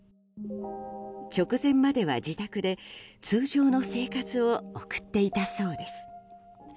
直前までは自宅で通常の生活を送っていたそうです。